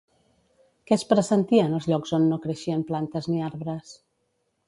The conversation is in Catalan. Què es pressentia en els llocs on no creixien plantes ni arbres?